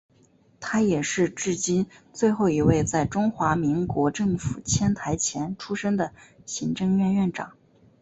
他也是至今最后一位在中华民国政府迁台前出生的行政院院长。